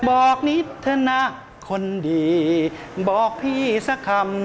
บอกนิทนาคนดีบอกพี่สักคำ